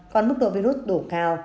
còn mức độ virus đủ cao